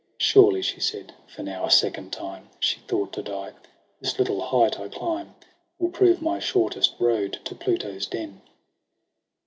' Surely,' she said, for now a second time She thought to die —' this little height I climb Will prove my shortest road to Pluto's den.